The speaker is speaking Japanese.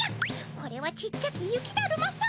これはちっちゃき雪だるま様！